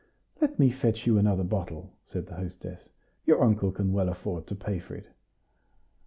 "Let me fetch you another bottle," said the hostess; "your uncle can well afford to pay for it."